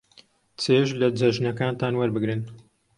چێژ لە جەژنەکانتان وەربگرن.